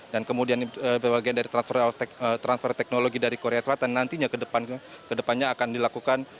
dan kemudian bagian dari transfer teknologi dari korea selatan nantinya ke depannya akan dilakukan